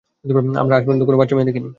আমরা আজ পর্যন্ত কোন বাচ্চা মেয়ে দেখিনি।